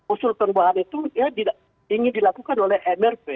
usul perubahan itu ingin dilakukan oleh mrp